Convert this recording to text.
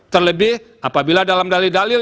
terlebih apabila dalam dalil dalil